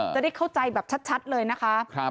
จะได้เข้าใจแบบชัดเลยนะคะ